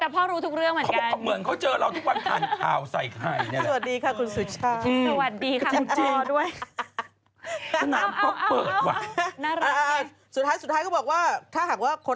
พ่อรู้ทุกเรื่องเหมือนกันพ่อรู้ทุกเรื่องเหมือนกัน